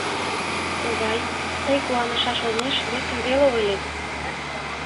Ковай, тый куанышаш олмеш весым веле ойлет.